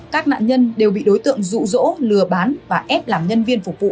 các nạn nhân đều bị đối tượng rụ rỗ lừa bán và ép làm nhân viên phục vụ